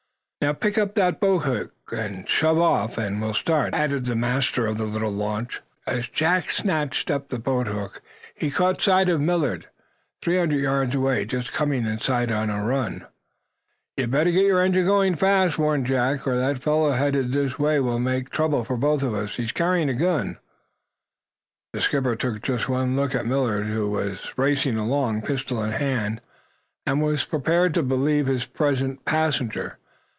"Now, pick up that boathook, and shove off, and we'll start," added the master of the little launch. As Jack snatched up the boathook he caught, sight of Millard, three hundred yards away, just coming in sight on a run. "You'd better get your engine going fast," warned Jack, "or that fellow headed this way will make trouble for us both. He's carrying a gun." The skipper took just one look at Millard, who was racing along, pistol in hand, and was prepared to believe his present passenger.